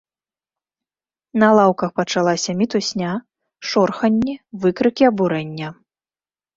На лаўках пачалася мітусня, шорханне, выкрыкі абурэння.